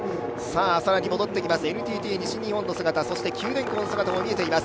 更に戻ってきます、ＮＴＴ西日本の姿九電工の姿も見えています。